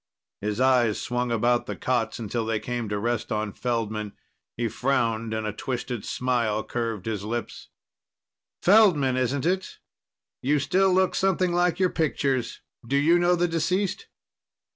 His eyes swung about the cots until they came to rest on Feldman. He frowned, and a twisted smile curved his lips. "Feldman, isn't it? You still look something like your pictures. Do you know the deceased?"